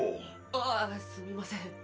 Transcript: あぁっすみません。